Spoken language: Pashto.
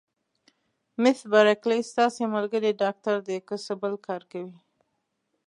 مس بارکلي: ستاسي ملګری ډاکټر دی، که څه بل کار کوي؟